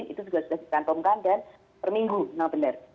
itu sudah dikantumkan dan per minggu memang benar